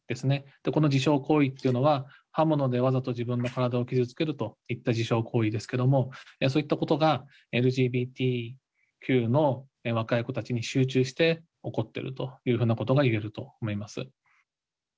でこの自傷行為というのは刃物でわざと自分の体を傷つけるといった自傷行為ですけどもそういったことがＬＧＢＴＱの若い子たちに集中して起こってるというふうなことが言えると思います。